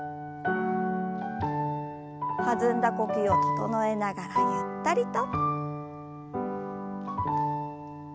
弾んだ呼吸を整えながらゆったりと。